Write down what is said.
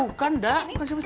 bukan da bukan siapa siapa da